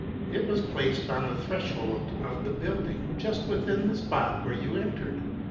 It was placed on the threshold of the building, just within the spot where you entered.